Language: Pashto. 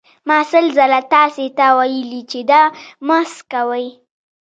ما سل ځله تاسې ته ویلي چې دا مه څکوئ.